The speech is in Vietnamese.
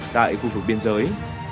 tại khu vực biên giới